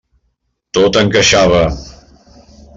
Tot encaixava.